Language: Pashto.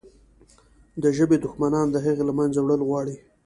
د ژبې دښمنان د هغې له منځه وړل غواړي.